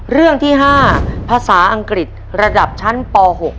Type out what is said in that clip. เรื่องที่๕ภาษาอังกฤษระดับชั้นป๖